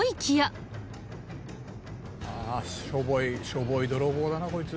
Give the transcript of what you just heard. ああしょぼいしょぼい泥棒だなこいつ。